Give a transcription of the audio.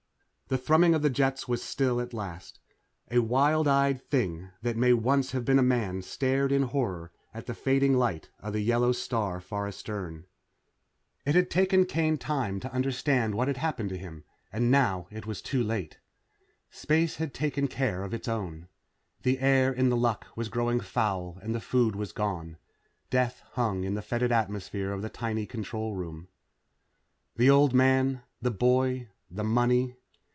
The thrumming of the jets was still at last. A wild eyed thing that may once have been a man stared in horror at the fading light of the yellow star far astern. It had taken Kane time to understand what had happened to him, and now it was too late. Space had taken care of its own. The air in The Luck was growing foul and the food was gone. Death hung in the fetid atmosphere of the tiny control room. The old man the boy the money.